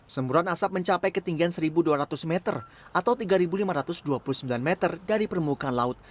semburan asap mencapai ketinggian satu dua ratus meter atau tiga lima ratus dua puluh sembilan meter dari permukaan laut